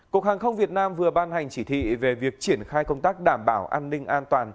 cục hàng không việt nam vừa ban hành chỉ thị về việc triển khai công tác đảm bảo an ninh an toàn